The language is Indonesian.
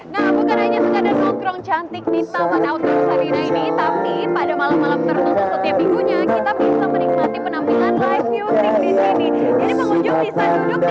nah bukan hanya suka nongkrong cantik di taman outdoor sarinah ini tapi pada malam malam tertutup setiap minggunya